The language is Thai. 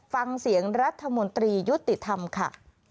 ฟังเสียงรัฐมนตรียุติธรรมค่ะ